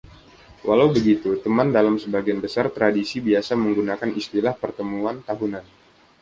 Walau begitu, Teman dalam sebagian besar tradisi biasa menggunakan istilah Pertemuan Tahunan.